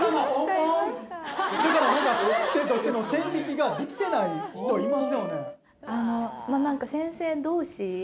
先生としての線引きができてない人いますよね